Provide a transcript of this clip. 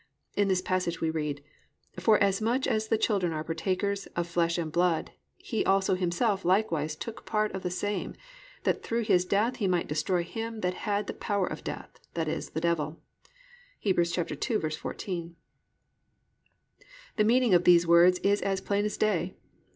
In this passage we read, +"For as much as the children are partakers of flesh and blood, He also Himself likewise took part of the same; that through death He might destroy him that had the power of death, that is the Devil"+ (Heb. 2:14). The meaning of these words is as plain as day.